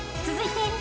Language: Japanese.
続いて］